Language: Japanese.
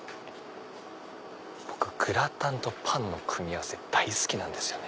僕グラタンとパンの組み合わせ大好きなんですよね。